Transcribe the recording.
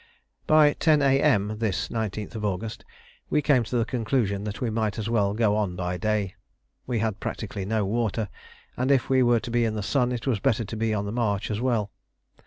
By 10 A.M. this 19th of August, we came to the conclusion that we might as well go on by day. We had practically no water, and if we were to be in the sun it was better to be on the march as well.